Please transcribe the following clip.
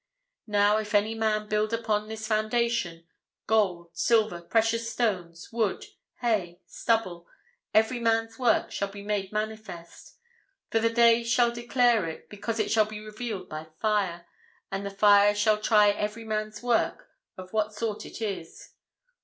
'Now if any man build upon this foundation, gold, silver, precious stones, wood, hay, stubble, every man's work shall be made manifest; for the day shall declare it, because it shall be revealed by fire; and the fire shall try every man's work of what sort it is.'